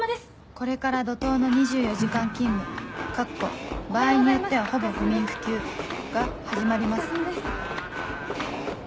これから怒涛の２４時間勤務カッコ場合によってはほぼ不眠不休が始まります